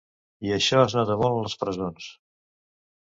I això es nota molt a les presons.